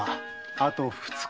あと二日。